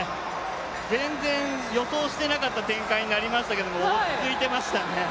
全然予想してなかった展開になりましたけど落ち着いてましたね。